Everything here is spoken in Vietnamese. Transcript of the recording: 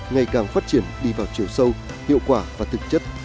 ngày càng phát triển đi vào chiều sâu hiệu quả và thực chất